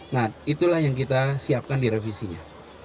nah itulah yang kita siapkan di revisinya